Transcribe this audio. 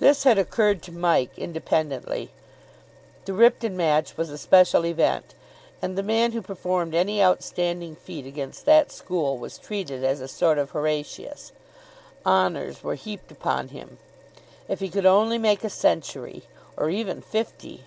This had occurred to Mike independently. The Ripton match was a special event, and the man who performed any outstanding feat against that school was treated as a sort of Horatius. Honours were heaped upon him. If he could only make a century! or even fifty.